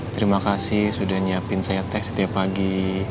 terima kasih sudah nyiapin saya tes setiap pagi